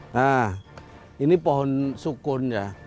nah ini pohon sukun ya